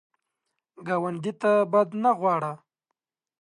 ګاونډي ته بد نه غواړه